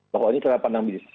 bahwa ini cara pandang bisnis